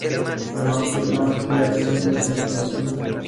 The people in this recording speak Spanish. Además de una Maestría en Ciencias de la Computación.